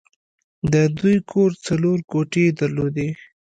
د دوی کور څلور کوټې درلودې